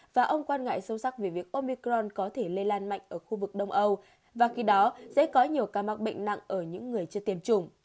và ông quan ngại sâu sắc về việc omicron có thể lây lan mạnh ở khu vực đông âu và khi đó dễ có nhiều ca mắc bệnh nặng ở những người chưa tiêm chủng